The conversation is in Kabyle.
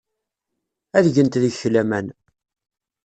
Ad gent deg-k laman.